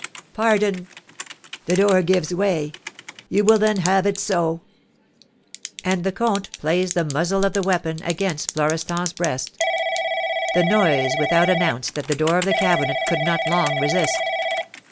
"Pardon!" "The door gives way! You will then have it so!" And the comte placed the muzzle of the weapon against Florestan's breast. The noise without announced that the door of the cabinet could not long resist.